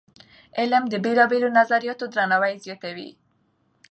علم د بېلابېلو نظریاتو درناوی زیاتوي.